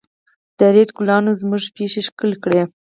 د ريدي ګلانو زموږ پښې ښکل کړې.